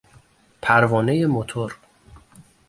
پروانهی موتور